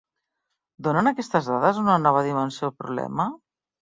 ¿Donen aquestes dades una nova dimensió al problema?